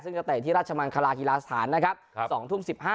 ซึ่งจะแต่ที่ราชมันคลาฮิลาสถาน๒ทุ่ม๑๕